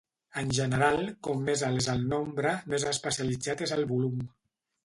En general, com més alt és el nombre, més especialitzat és el volum.